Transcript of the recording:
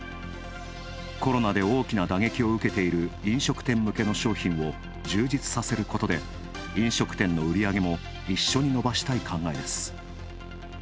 コロナで大きな打撃を受けている飲食店向けの商品を充実させることで、飲食店の売り上げも一緒に伸ばしたい考えです。